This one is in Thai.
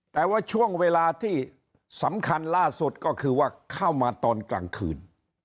แต่ว่าช่วงเวลาที่สำคัญล่าสุดก็คือว่าเข้ามาตอนกลางคืน